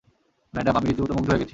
Madam, আমি রীতিমত মুগ্ধ হয়ে গেছি!